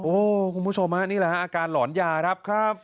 โอ้คุณผู้ชมนี่แหละอาการหลอนยาครับ